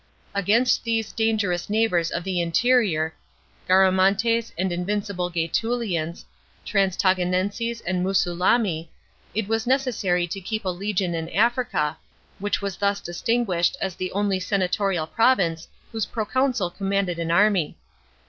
Against these dangerous neighbours of the interior, Garamantes and invincible Ga3tulians,t Transtagnenses and Musulami, it was necessary to keep a legion in Africa, which was thus distinguished as the only senatorial province whose proconsul commanded an army.